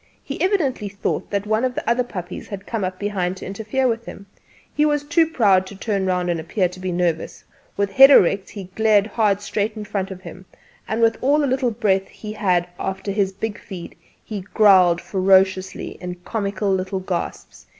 He evidently thought that one of the other puppies had come up be¬hind to interfere with him. He was too proud to turn round and appear to be nervous: with head erect he glared hard straight in front of him, and, with all the little breath that he had left after his big feed, he growled ferociously in comical little gasps.